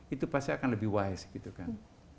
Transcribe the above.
itu pasti akan lebih wise gitu kan